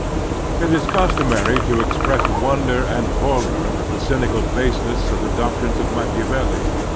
IT is customary to express wonder and horror at the cynical baseness of the doctrines of Machiavelli.